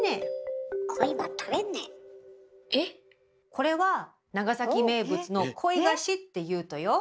これは長崎名物の「鯉菓子」って言うとよ。